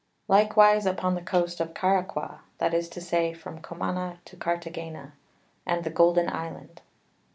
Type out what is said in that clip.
Likewise upon the Coast of Caraqua, that is to say, from Comana to Cartagena[o] and the Golden Island.